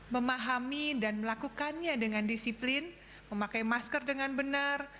memahami dan melakukannya dengan disiplin memakai masker dengan benar